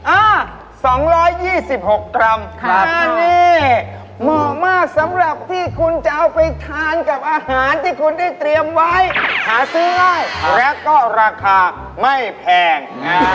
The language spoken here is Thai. อ้าสองร้อยยี่สิบหกกรัมและนี่เหมาะมากสำหรับที่คุณจะเอาไปทานกับอาหารที่คุณได้เตรียมไว้หาซื้อได้และก็ราคาไม่แพง